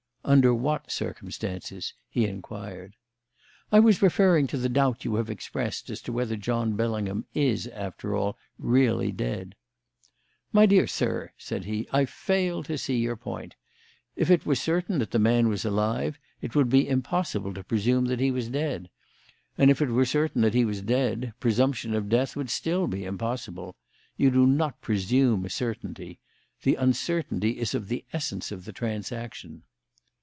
"Under what circumstances?" he inquired. "I was referring to the doubt you have expressed as to whether John Bellingham is, after all, really dead." "My dear sir," said he, "I fail to see your point. If it were certain that the man was alive, it would be impossible to presume that he was dead; and if it were certain that he was dead, presumption of death would still be impossible. You do not presume a certainty. The uncertainty is of the essence of the transaction."